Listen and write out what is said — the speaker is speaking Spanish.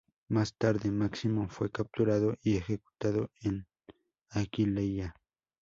Más tarde Máximo fue capturado y ejecutado en Aquileia.